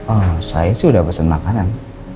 oh saya sih udah pesen makanan